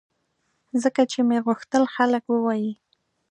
ځکه چې مې غوښتل خلک ووایي